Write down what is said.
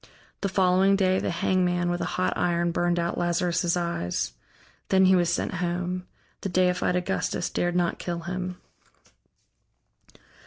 The following day, the hangman with a hot iron burned out Lazarus' eyes. Then he was sent home. The deified Augustus dared not kill him.